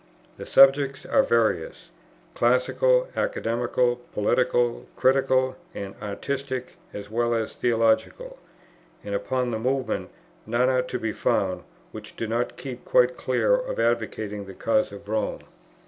The subjects are various, classical, academical, political, critical, and artistic, as well as theological, and upon the Movement none are to be found which do not keep quite clear of advocating the cause of Rome.